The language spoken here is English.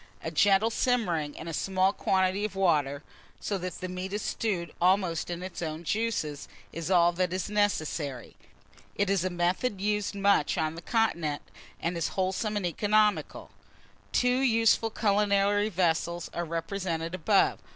A gentle simmering in a small quantity of water, so that the meat is stewed almost in its own juices, is all that is necessary. It is a method much used on the continent, and is wholesome and economical. [Illustration: BOILING POT.] [Illustration: STEWPAN.] Two useful culinary vessels are represented above.